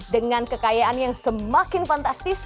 dengan kekayaan yang semakin fantastis